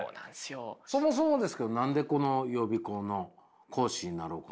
そもそもですけど何で予備校の講師になろうかなと？